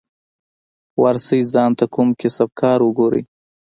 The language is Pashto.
ورسئ ځان ته کوم کسب کار وگورئ.